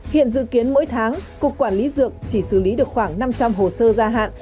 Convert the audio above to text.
hiện dự kiến mỗi tháng cục quản lý dược chỉ xử lý được khoảng năm trăm linh hồ sơ gia hạn